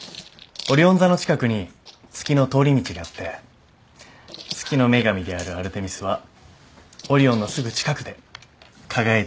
オリオン座の近くに月の通り道があって月の女神であるアルテミスはオリオンのすぐ近くで輝いていられるんです。